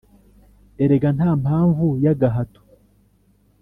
Erega ntampamvu y’agahato.